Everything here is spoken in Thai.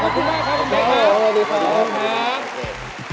คุณแกท่านแกค่ะ